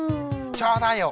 ちょうだいよ。